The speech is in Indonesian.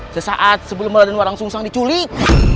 sesaat sebelum raden walang sungsang diculik